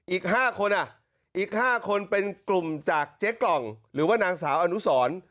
อีก๕คนอีก๕คนเป็นกลุ่มจากเจ๊กล่องหรือว่านางสาวอนุสร